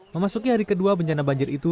memasuki hari kedua bencana banjir itu